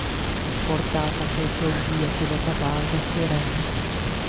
Portál také slouží jako databáze firem.